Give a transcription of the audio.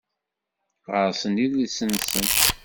Ɣer-sen idles-nsen